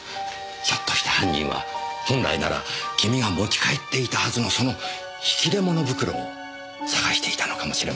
ひょっとして犯人は本来ならキミが持ち帰っていたはずのその引き出物袋を捜していたのかもしれませんね。